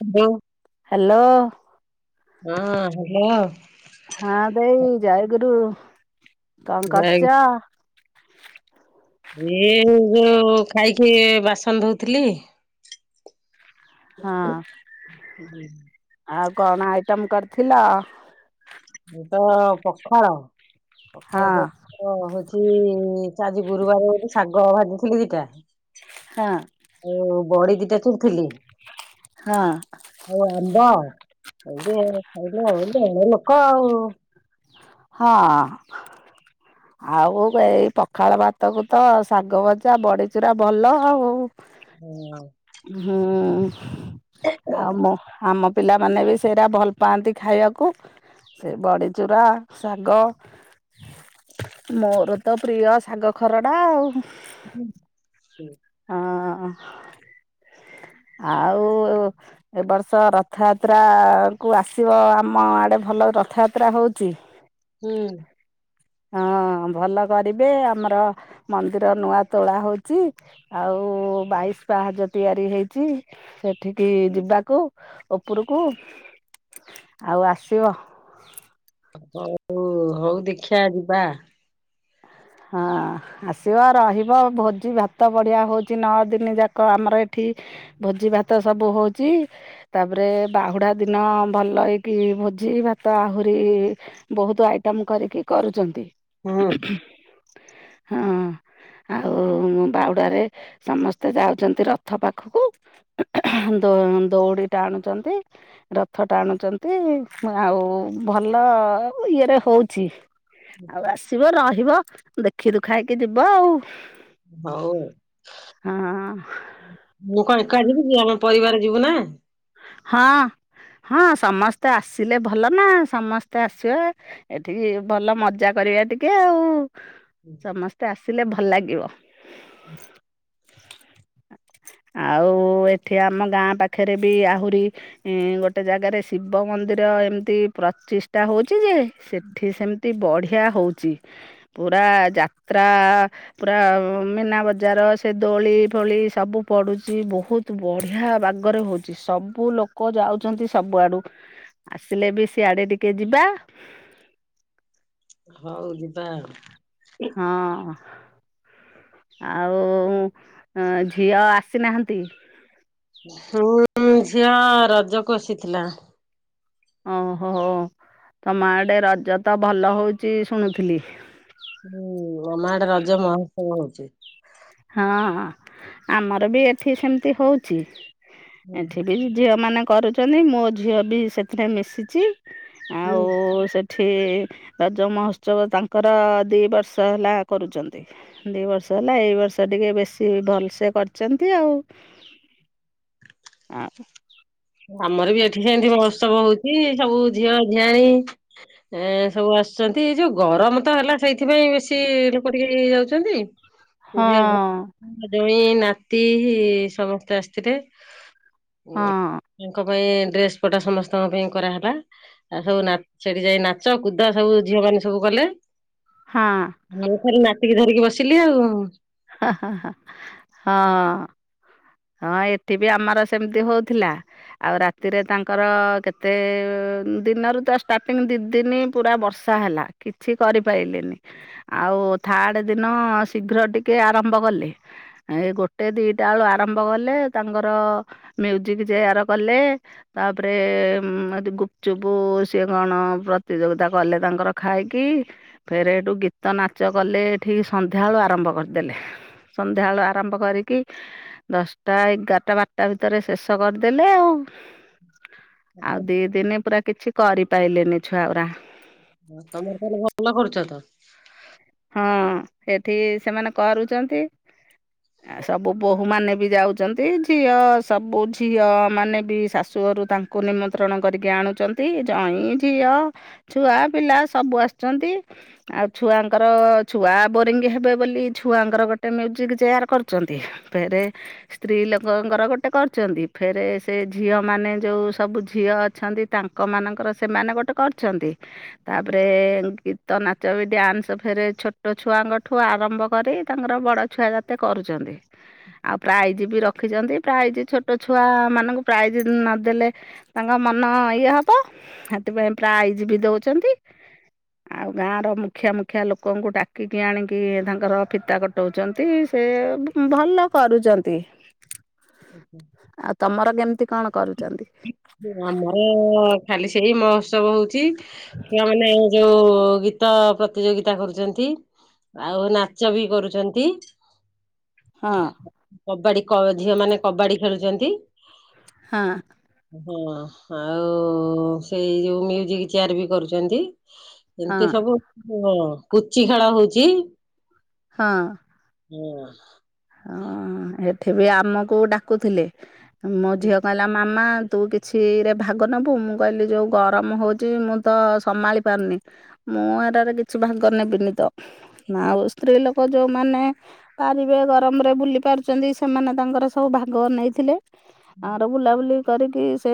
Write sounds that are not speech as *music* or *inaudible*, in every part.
Hello hello ହଁ hello ହଁ ଦେଇ ଜୟଗୁରୁ କଣ ଜୟ କରୁଛ? ଇଏ ଯୋଉ ଖାଇକି ବାସନ ଧଉଥିଲି ହଁ ଆଉ କଣ ଆଇଟମ କରିଥିଲ? ଏ ତ ପଖାଳ ହଁ ପଖାଳ ହଉଛି ଆଜି ଗୁରୁବାର ଗୋଟେ ଶାଗ ଭାଜିଥିଲି ଦିଟା ହଁ ଓ ବଡ଼ି ଦିଟା ଚୁରିଥିଲି ହଁ ଆଉ ଆମ୍ବ ଖାଇ ଆ ଖାଇଲେ ଆଉ ଲୋକ ଆଉ ହଁ ଆଉ ଏଇ ପଖାଳ ଭାତକୁ ତ ଶାଗ ଭଜା ବଡିଚୁରା ଭଲ ଆଉ ହୁଁ ହୁଁ ଆଉ ମୁଁ ଆମ ପିଲାମାନେ ବି ସେଇଟା ଭଲ ପାଆନ୍ତି ଖାଇବାକୁ ସେ ବଡ଼ିଚୂୁରା ଶାଗ ମୋର ତ ପ୍ରିୟ ଶାଗ ଖରଡ଼ା ଆଉ। ହଁ ଆଉ। ଏବ ବର୍ଷ ରଥଯାତ୍ରା କୁ ଆସିବ ଆମ ଆଡେ ଭଲ ରଥଯାତ୍ରା ହଉଛି *inaudible* ହୁଁ ହଁ ଭଲ କରିବେ ଆମର ମନ୍ଦିର ନୂଆ ତୋଳା ହଉଛି। ଆଉ ବାଇଶ ପାହାଜ ତିଆରି ହେଇଛି ସେଠିକି ଯିବାକୁ ଉପରକୁ ଆଉ ଆସିବ ହଉ ହଉ ଦେଖିବା ଯିବା। ହଁ ଆସିବ ରହିବ ଭୋଜି ଭାତ ବଢ଼ିଆ ହଉଛି ନଅ ଦିନ ଯାକ ଆମର ଏଠି ଭୋଜି ଭାତ ସବୁ ହଉଛି। ତାପରେ ବାହୁଡ଼ା ଦିନ ଭଲ ହେଇକି ଭୋଜି ଭାତ ଆହୁରି ବହୁତ ଆଇଟମ କରିକି କରୁଛନ୍ତି ହୁଁ ହଁ ଆଉ ବାହୁଡାରେ ସମସ୍ତେ ଯାଉଛନ୍ତି ରଥ ପାଖକୁ ଦ ଦୌଡ଼ି ଟାଣୁଛନ୍ତି ରଥ ଟାଣୁଛନ୍ତି ଆଉ ଭଲ ଇଏରେ ହଉଛି ଆଉ ଆସିବ ରହିବ ଦେଖି ଦୁଖାଇକି ଯିବ ଆଉ ହଉ ହଁ। ମୁଁ କଣ ଏକ ଯିବି କି ଆମ ପରିବାର ଯିବୁ ନା? ହଁ ହଁ ସମସ୍ତେ ଆସିଲେ ଭଲ ନା ସମସ୍ତେ ଆସିବେ ଏଠିକି ଭଲ ମଜା କରିବା ଟିକେ ଆଉ ସମସ୍ତେ ମତେ ଆସିଲେ ଭଲ ଲାଗିବ। ଆଉ ଏଠି ଆମ ଗାଁ ପାଖରେ ବି ଆହୁରି ଏଁ ଗୋଟେ ଜାଗାରେ ଶିବ ମନ୍ଦିର ଏମିତି ପ୍ରଚିଷ୍ଟା ହଉଛି ଯେ ଏଠି ସେମିତି ବଢ଼ିଆ ହଉଛି ପୁରା ଯାତ୍ରା ପୁରା ମୀନା ବଜାର ସେ ଦୋଳି ଫୋଳି ସବୁ ପଡୁଛି ବହୁତ। ତୁ ବଢିଆ ବାଗରେ ହଉଚି ସବ ବୁ ଲୋକ ଯାଉଚନ୍ତି ସବୁଆଡ଼ୁ, ଆସିଲେ ବି ସିଆଡ଼େ ଟିକେ ଯିବା। ହଉ ଯିବା। ହଁ, ଆଉ ଅଁ, ଝିଅ ଆସି ନାହାନ୍ତି? *inaudible* ଝିଅ ରଜକୁ ଆସିଥିଲା। ଓହୋ, ତୋମ ଆଡେ ରଜ ତ ଭଲ ହଉଚି ଶୁଣୁଥିଲି। ହୁଁ, ଆମ ଆଡେ ରଜ ମହୋତ୍ସବ ହଉଚି। ହଁ ଆମର ବି ଏଠି ସେମିତି ହଉଛି। ଏଠି ବି ଝିଅମାନେ କରୁଛନ୍ତି, ମୋ ଝିଅ ବି ସେଥିରେ ମିଶିଛି। ଆଉ ସେ ଠି ରଜ ମହୋତ୍ସବ ତାଙ୍କର ଦି ବର୍ଷ ହେଲା କରୁଚନ୍ତି। ଦି ବର୍ଷ ହେଲା, ଏଇ ବର୍ଷ ତ ଟିକେ ବେଶୀ ଭଲସେ କରିଛନ୍ତି ଆଉ। ଆଉ ଆମର ବି ଏଠି ସେମତି ମହୋତ୍ସବ ହଉଛି। ସବୁ ଝିଅ ଝିଆଣି ଏ ସବୁ ଆସଛନ୍ତି। ଏଇ ଯୋଉ ଗରମ ତ ହେଲା ସେଇଥିପାଇଁ ବେଶୀ ଲୋକ ଟିକେ ଏ ଯାଉଛନ୍ତି। ଝିଅକୁ ହଁ ଜଇଁ, ନାତି ସମସ୍ତେ ଆସିଥିଲେ। ଉଁ, ତାଙ୍କ ପାଇଁ ଡ୍ରେସ୍ ପଟା ସମସ୍ତଙ୍କ ପାଇଁ କରାହେଲା। ଆଉ ସବୁ ନା ସେଠି ଯାଇ ନାଚ କୁଦ ସବୁ ଝିଅ ମାନେ ସବୁ କଲେ। ହଁ। ମୁଁ ଖାଲି ନାତିକି ଧରିକି ବସିଲି ଆଉ। ହଁ। ହଁ ଏଠି ବି ଆମର ସେମିତି ହଉଥିଲା। ଆଉ ରାତିରେ ତାଙ୍କର କେତେ ଉଁ, ଦିନରୁ ତ ଷ୍ଟାର୍ଟିଂ ଦି ଦିନି ପୁରା ବର୍ଷ ଷା ହେଲା କିଛି କରିପାଇଲେନି। ଆଉ ଥାର୍ଡ ଦିନ ଶୀଘ୍ର ଟିକେ ଆରମ୍ଭ କଲେ। ଏଇ ଗୋଟେ ଦିଟା ବେଳୁ ଆରମ୍ଭ କଲେ ତାଙ୍କର ମ୍ୟୁଜିକ୍ ଚିଆର କଲେ। ତାପରେ ଉଁ, ଏଠି ଗୁପଚୁପ ସିଏ କଣ ପ୍ରତିଯୋଗିତା କଲେ ତାଙ୍କର। ଖାଇକି ଫେର ଏଇଠୁ ଗୀତ ନାଚ କଲେ ଏଠିକି ସନ୍ଧ୍ୟାବେଳୁ ଆରମ୍ଭ କରିଦେଲେ। ସନ୍ଧ୍ୟା ବେଳୁ ଆରମ୍ଭ କରିକି ଦଶଟା, ଏଗାରଟା, ବାରଟା ଭିତରେ ଶେଷ କରିଦେଲେ ଆଉ। ଆଉ ଦି ଦିନି ପୁରା କିଛି କରି ପାଇଲେନି ଛୁଆଗୁରା। ହଁ ତୋମର ତାହେଲେ ଭଲ କରୁଛ ତ। ହଁ ସେଠି ସେମାନେ କରୁଚନ୍ତି। ଆ ସବୁ ବୋହୂମାନେ ବି ଯାଉଚନ୍ତି। ଝିଅ ସବୁ ଝିଅମାନେ ବି ଶାଶୁ ଘରୁ ତାଙ୍କ କୁ ନିମନ୍ତ୍ରଣ କରିକି ଆଣୁଚନ୍ତି, ଜଇଁ ଝିଅ ଛୁଆ ପିଲା ସବୁ ଆସଚନ୍ତି। ଆଉ ଛୁଆଙ୍କ ଙ୍କର, ଛୁଆ ବୋରିଙ୍ଗ ହେବେ ବୋଲି ଛୁଆଙ୍କର ଗୋଟେ ମ୍ୟୁଜିକ୍ ଚେୟାର୍ କରୁଚନ୍ତି। ଫେରେ ସ୍ତ୍ରୀ ଲୋକଙ୍କର ଗୋଟେ କରୁଚନ୍ତି। ଫେରେ ସେ ଝିଅ ମାନେ ଯୋଉ ସବୁ ଝିଅ ଅଛନ୍ତି ତାଙ୍କ ମାନଙ୍କର ସେମାନେ ଗୋଟେ କରଛନ୍ତି। ତାପରେ ଗୀତ, ନାଚ ବି ଡ୍ୟାନ୍ସ ଫେରେ ଛୋଟ ଛୁଆଙ୍କଠୁ ଆରମ୍ଭ କରି ତାଙ୍କର ବଡ଼ ଛୁଆ ଯେତେ କରୁଚନ୍ତି। ଆଉ ପ୍ରାଇଜ୍ ବି ରଖିଚନ୍ତି। ପ୍ରାଇଜ୍ ଛୋଟ ଛୁଆ ମାନଙ୍କୁ ପ୍ରାଇଜ୍ ନ ଦେଲେ ତାଙ୍କ ମନ ଇଏ ହବ, ସେଥିପାଇଁ ପ୍ରାଇଜ୍ ବି ଦଉଚନ୍ତି। ଆଉ ଗାଁ ର ମୁଖିଆ ମୁ ଖିଆ ଲୋକଙ୍କୁ ଡାକିକି ଆଣିକି ତାଙ୍କର ଫିତା କଟଉଚନ୍ତି। ସେ ଭଲ କରୁଚନ୍ତି। ଆଚ୍ଛା। ଆଉ ତୋମର କେମିତି କଣ କରୁଚନ୍ତି? ଆମ ଖାଲି ସେଇ ମହୋତ୍ସବ ହଉଛି। ଛୁଆମାନେ ଯୋଉ ଗୀତ ପ୍ରତିଯୋଗିତା କରୁଚନ୍ତି। ଆଉ ନାଚ ବି କରୁଛନ୍ତି। ହଁ! କବାଡ଼ି ଝିଅ ମାନେ କବାଡ଼ି ଖେଳୁଚନ୍ତି। *inaudible* ଆଉ ସେଇ ଯଉ ମ୍ୟୁଜିକ୍ ଚିୟାର ବି କରୁଚନ୍ତି। ହଁ ସବୁ ପୁଚି ଖେଳ ହଉଚି। ହଁ! ହୁଁ ଏଠେ ବି ଆମକୁ ଡ଼ାକୁଥିଲେ। ମୋ ଝିଅ କ--ଲା ମାମା ତୁ କିଛିରେ ଭାଗ ନବୁ। ମୁଁ କଇଲି ଯଉ ଗରମ ହଉଚି ମୁଁ ତ ସମା ମୁଁ ଏରାରେ କିଛି ଭାଗ ନେବିିନ ତ। ଆଉ ସ୍ତ୍ରୀ ଲୋକ, ଯଉମାନେ ପାରିବେ। ର୍ମରେ ବୁଲି ପାରୁଚନ୍ତି, ସେମାନେ ତାଙ୍କର ସବୁ ଭାଗ ନେଇଥିଲେ। ବୁଲାବୁଲି କରିକି, ସେ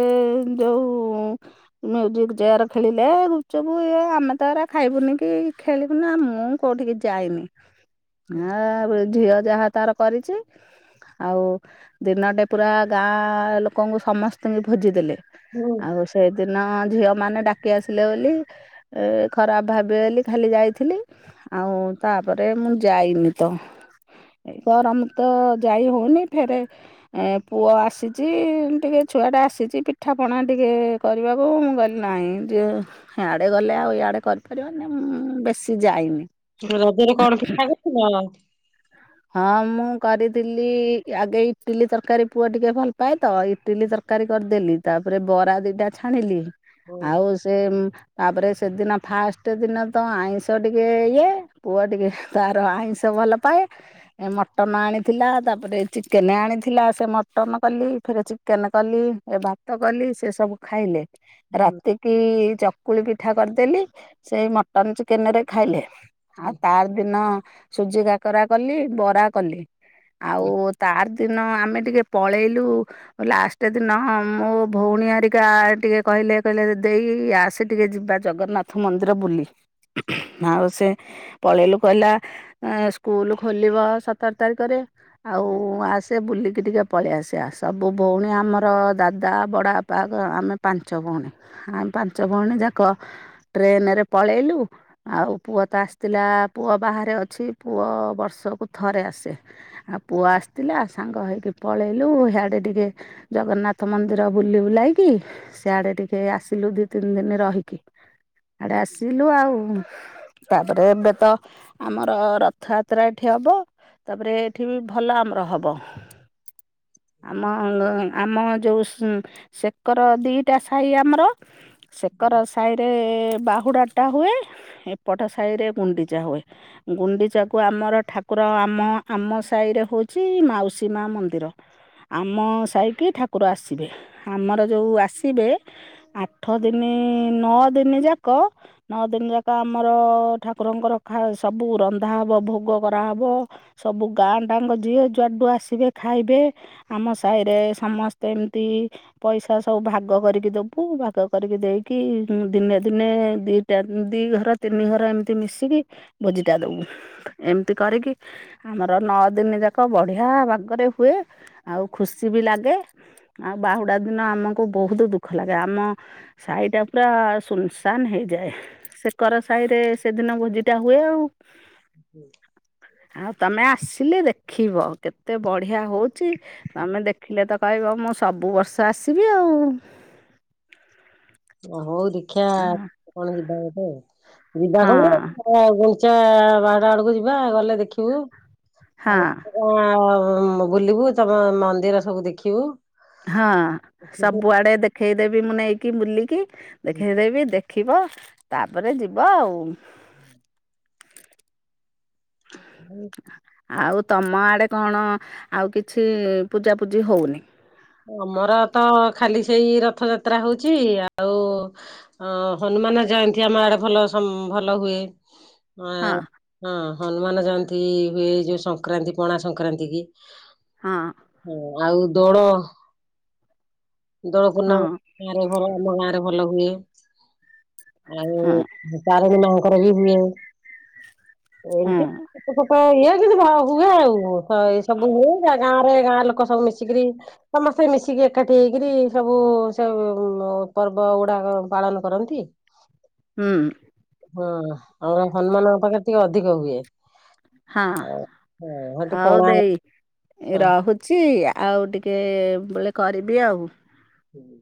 ମ୍ୟୁଜିକ୍ ଚେୟାର ଖେଳିଲେ, ଗୁପ୍ଚୁପ୍ ଇଏ ଆମେ ତ ଖାଇବୁନି କି ଖେଳିବୁନି। ମୁଁ କଉଠିକି ଯାଇନି, ଝିଅ ଯାହା ତା'ର କରିଚି। ଆଉ ଦିନ ଟେ ପୁରା ଗାଁ ଲୋକଙ୍କୁ, ସମସ୍ତି ଙ୍କି ଭୋଜି ଦେଲେ। ହଁ ଆଉ ସେଇଦିନ ଝିଅ ମାନେ ଡ଼ାକି ଆସିଲେ ବୋଲି। ଖରାପ୍ ଭାବିବେ ବେଲି ଖାଲି ଯାଇଥିଲି। ଆଉଁ ତା'ପରେ ମୁଁ ଯାଇନି ତ। ଗରମ୍ ତ ଯାଇ ହଉନି। ଫେରେ ପୁଅ ଆସିଚି, ଟିକେ ଛୁଆଟା ଆସିଚି ପିଠାପଣା ଟିକେ। କରିବାକୁ ମୁଁ କଇଲି ନାଇଁ। ଆଡ଼େ ଗଲେ ଆଉ ଇଆଡ଼େ କରି ପାର୍ବନି, ବେଶୀ ଯାଇନି। ରଜରେ କ'ଣ ପିଠା କର୍ ଥିଲ? ହଁ ମୁଁ କରି--ଲି, ଆଗେ ଇଟିଲି ତର୍କାରୀ ପୁଅ ଟିକେ ଭଲ୍ ପାଏ ତ। ଇଟିଲି ତର୍ ତର୍କାରୀ କର୍ ଦେଲି, ତା'ପରେ ବରା ଦିଟା ଛାଣିଲି। ଆଉ ତା'ପରେ ସେଦିନ ଫାଷ୍ଟେ ଦିନ ତ ଆଇଁଷ ଟିକେ ଇଏ। ପୁଅ ଟିକେ ତା'ର ଆଇଁଷ ଭଲ ପାଏ। ଏ ମଟନ ଆଣିଥିଲା, ତା'ପରେ ଚିକେନେ ଆଣିଥିଲା, ସେ ମଟନ କଲି। ଫେରେ ଚିକେନେ କଲି, ଭାତ କଲି, ସେ ସବୁ ଖାଇଲେ। ରାତି କି ଚକୁଳି ପିଠା କର୍ ଦେଲି, ସେଇ ମଟନ୍ ଚିକେନେ ରେ ଖାଇଲେ। ଆଉ ତା ଦିନ, ସୁଜି କାକରା କଲି ବରା କଲି। ଆଉ ତା'ର୍ ଦିନ ଆମେ ଟିକେ ପଳେଇଲୁ। ଲାଷ୍ଟେ ଦିନ ମୋ ଭଉଣୀ ରିକା ଟିକେ କହିଲେ, କହିଲେ ଦେଇ ଆସେ ଟିକେ ଯିବା। ଜଗନ୍ନାଥ୍ ମନ୍ଦିର ବୁଲି। ଆଉ ସେ ପଳେଇଲୁ, କହିଲା--ସ୍କୁଲୁ। ଖୋଲିବ ସତର୍ ତାରିକରେ। ଆଉ ଆ ବୁଲିକି ଟିକେ ପଳେଇ ଆସିବା, ସବୁ ବଉଣୀ ଆମର ଦାଦା, ବଡ଼-ପା ଆମେ ପାଞ୍ଚ ଭଉଣୀ। ଆ ପାଞ୍ଚ ଭଉଣୀ ଯାକ, ଟ୍ରେନେରେ ପଳେଇଲୁ। ଆଉ ପୁଅ ତ ଆସ୍‌ତିଲା, ପୁଅ ବାହାରେ ଅଛି। ପୁଅ ବ ଥରେ ଆସେ, ପୁଅ ଆସ୍‌--ଲା ସାଙ୍ଗ ହେଇକି। ପଳେଇଲୁ, ହିଆଡ଼େ ଟିକେ ଜଗନ୍ନାଥ ମନ୍ଦିର ବୁଲି ବୁଲାକି। ସିଆଡ଼େ ଟିକେ ଆସିଲୁ, ଦି ତିନ୍‌ ଦିନ୍‌ ରହିକି। ଆଡ଼େ ଆସିଲୁ ଆଉ, ତା'ପରେ ଏବେ ତ ଆମର ରଥ--ତ୍ରା। ଠେ ହବ, ତା'ପରେ ଏଠି ବି ଭଲ ଆମର ହବ। *inaudible* ସେକର ଦିଟା ସାଇ ଆମ୍ର। ସେକର ସାଇ ବାହୁଡ଼ା ଟା ହୁଏ, ଏପଟ ସାଇରେ ଗୁଣ୍ଡିଚା ହୁଏ। ଗୁଣ୍ଡିଚା କୁ ଆମର ଠାକୁର ଆମ ଆମ ସାଇରେ ହଉଚି ମାଉସୀ ମା ମନ୍ଦିର। ଆମ ସାହିକି ଠାକୁର ଆସିବେ ଆମର ଯୋଉ ଆସିବେ ଆଠ ଦିନି ନଅ ଦିନି ଯାକ ନଅ ଦିନି ଯାକ ଆମର ଠାକୁରଙ୍କର ଖା ସବୁ ରନ୍ଧା ହବ ଭୋଗ। କରାହବ ସବୁ ଗାଁ ଡାଙ୍ଗ ଯିଏ ଯୁଆଡୁ ଆସିବେ ଖାଇବେ। ଆମ ସାହିରେ ସମସ୍ତେ ଏମତି ପଇସା ସବୁ ଭାଗ କରିକି ଦବୁ ଭାଗ କରିକି ଦେଇକି ଉଁ ଦିନେ ଦିନେ ଦି ଟା ଉଁ ଦି ଘର ତିନି ଘର ଏମତି ମିଶିକି ଭୋଜିଟା ଦବୁ ଏମତି କରିକି ଆମର ନଅ ଦିନି ଯାକ ବଢିଆ ବାଗରେ ହୁଏ ଆଉ ଖୁସି ବି ଲାଗେ। ଆଉ ବାହୁଡା ଦିନ ଆମକୁ ବୋହୁତୁ ଦୁଃଖ ଲାଗେ ଆମ ସାହିଟା ପୁରା ଶୁନଶାନ୍ ହେଇଯାଏ। ସେକର ସାହିରେ ସେଦିନ ଭୋଜିଟା ହୁଏ ଆଉ। ହୁଁ ଆଉ ତମେ ଆସିଲେ ଦେଖିବ କେତେ ବଢିଆ ହଉଚି। ତମେ ଦେଖିଲେ ତ କହିବ ମୁଁ ସବୁ ବର୍ଷ ଆସିବି ଆଉ। ଓ ହଉ ଦେଖିଆ କଣ ଯିବା ଗୋଟେ ଆଉ ଯିବା କଣ ହଁ ଆ ଗୁଣ୍ଡିଚା ବାହୁଡା ଆଡକୁ ଯିବା ଗଲେ ଦେଖିବୁ ହଁ ଆଉ। ଓ ଆଉଁ ଆଉଁ ବୁଲିବୁ ତମ ମନ୍ଦିର ସବୁ ଦେଖିବୁ। ହଁ ସବୁଆଡେ ଦେଖେଇ ଦେବି ମୁଁ ନେଇକି ବୁଲେଇକି ଦେଖେଇ ଦେବି ଦେ ଖିବ ତାପରେ ଯିବ ଆଉ। ହୁଁ ଆଉ ତମ ଆଡେ କଣ ଆଉ କିଛି ପୂଜାପୂଜି ହଉନି। ଆମର ତ ଖାଲି ସେଇ ରଥଯାତ୍ରା ହଉଚି ଆଉ ଅଁ ହନୁମାନ ଜୟନ୍ତୀ ଆମ ଆଡେ ଭଲ ସମ୍ ଭଲ ହୁଏ। ଅଁ ଆଁ ହଁ ଅ ହଁ ହନୁମାନ ଜୟନ୍ତୀ ହୁଏ ଯୋଉ ସଂକ୍ରାନ୍ତି ପଣା ସଂକ୍ରାନ୍ତି କି। ହଁ। ହଁ ଆଉ ଦୋଡ। ଦୋଳ ହଁ ପୂର୍ଣ୍ଣମ ମାରେ ଗାଁରେ ଭଲ ଆମ ଗାଁରେ ଭଲ ହୁଏ ଆଉ ହଁ। ମୁଁ ତାରେଣୀ ମାଙ୍କର ବି ହୁଏ ହଁ ଏମତି ଛୋଟ ଛୋଟ ଇଏ ଯିନ୍ତି ଭ ହୁଏ ଆଉ ହଁ ଏଇ ସବୁ ହୁଏ ଗାଁ ଗାଁରେ ଗାଁ ଲୋକ ସବୁ ମିଶିକିରି ସମସ୍ତେ ମିଶିକି ଏକାଠି ହେଇକରି ସବୁ ସେ ଉଁ ମ ପର୍ବଗୁଡାକ ପାଳନ କରନ୍ତି। ହୁଁ। ହଁ ଆମର ହନୁମାନଙ୍କ ପାଖେରେ ଟିକେ ଅଧିକ ହୁଏ। ହଁ ଆଉ ହଁ ସେଠି ପଣା ଏ ରହୁଛି ଆଉ ଟିକେ ବେଳେ କରିବି ଆଉ। ହ୍ୟାଲୋ।